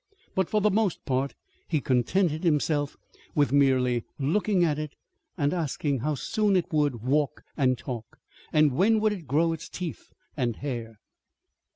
But, for the most part, he contented himself with merely looking at it, and asking how soon it would walk and talk, and when would it grow its teeth and hair.